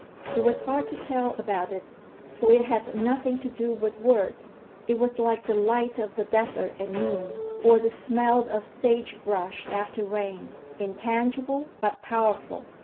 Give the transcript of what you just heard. It was hard to tell about it, for it had nothing to do with words; it was like the light of the desert at noon, or the smell of the sagebrush after rain; intangible but powerful.